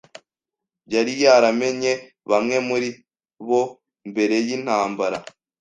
Yari yaramenye bamwe muri bo mbere y'intambara.